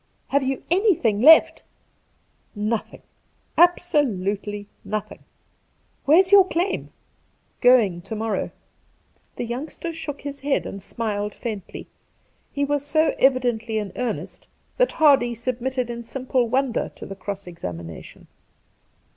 ' Have you anything left ?'' Nothing — absolutely nothing !'' Where's your claim ?'' Going to morrow !' The youngster shook his head and smiled faintly. He was so evidently in earnest that Hardy sub mitted in simple wonder to the cross examination.